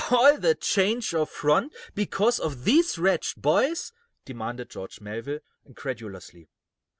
"All this change of front because of these wretched boys?" demanded George Melville, incredulously.